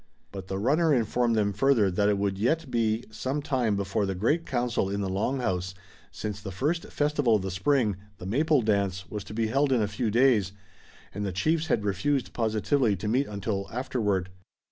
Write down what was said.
But the runner informed them further that it would yet be some time before the great council in the Long House, since the first festival of the spring, the Maple Dance, was to be held in a few days, and the chiefs had refused positively to meet until afterward.